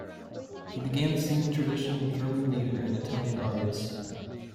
He began singing traditional German lieder and Italian arias.